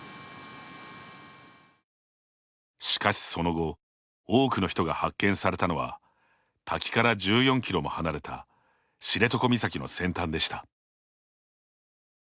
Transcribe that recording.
しかし、その後多くの人が発見されたのは滝から１４キロも離れた知床岬の先端でした。